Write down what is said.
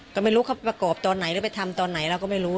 ก็ไม่รู้เขาประกอบตอนไหนหรือไปทำตอนไหนเราก็ไม่รู้